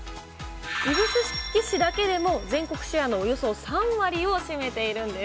指宿市だけでも全国シェアのおよそ３割を占めているんです。